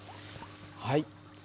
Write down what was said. はい。